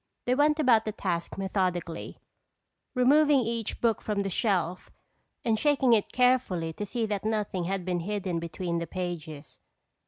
They went about the task methodically, removing each book from the shelf and shaking it carefully to see that nothing had been hidden between the pages.